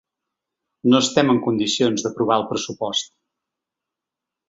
No estem en condicions d’aprovar el pressupost.